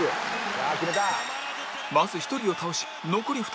まず１人を倒し残り２人に